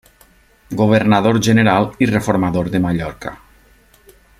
Governador general i reformador de Mallorca.